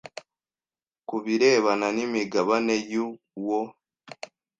ku birebana n imigabane y uwo